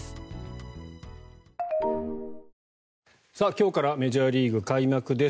今日からメジャーリーグ開幕です。